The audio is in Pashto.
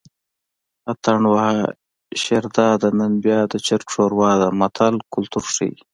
اتڼ وهه شیرداده نن بیا د چرګ ښوروا ده متل کولتور ښيي